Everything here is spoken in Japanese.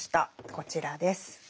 こちらです。